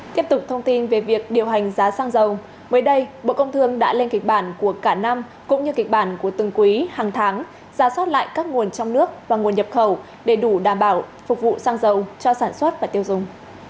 tiếp tục thông tin về việc điều hành giá xăng dầu mới đây bộ công thương đã lên kịch bản của cả năm cũng như kịch bản của từng quý hàng tháng ra soát lại các nguồn trong nước và nguồn nhập khẩu để đủ đảm bảo phục vụ xăng dầu cho sản xuất và tiêu dùng